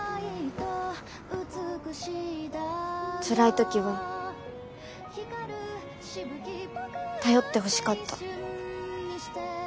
つらい時は頼ってほしかった。